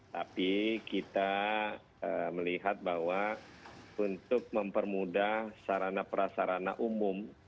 tapi kita melihat bahwa untuk mempermudah sarana prasarana umum